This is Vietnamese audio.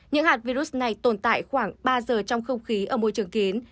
những hạt virus này tồn tại khoảng ba giờ trong không khí ở môi trường kín